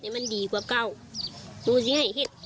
ข้อที่มันบกดีมันพิษภาดมันดีกว่าเก่า